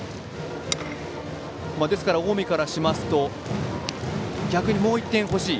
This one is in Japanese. ですから、近江からしますと逆に、もう１点欲しい。